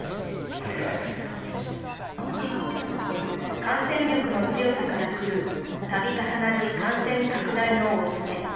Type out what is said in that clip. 感染力の強さから来る度重なる感染拡大の恐れ。